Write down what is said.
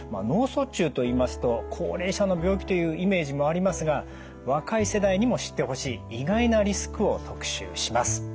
脳卒中といいますと高齢者の病気というイメージもありますが若い世代にも知ってほしい意外なリスクを特集します。